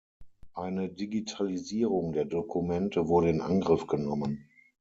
Eine Digitalisierung der Dokumente wurde in Angriff genommen.